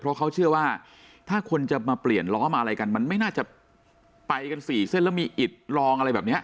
เพราะเขาเชื่อว่าถ้าคนจะมาเปลี่ยนล้อมาอะไรกันมันไม่น่าจะไปกันสี่เส้นแล้วมีอิดลองอะไรแบบนี้